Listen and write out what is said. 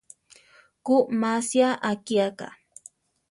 Ku masia akíaka.